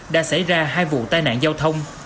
đã xảy ra hai vụ tai nạn giao thông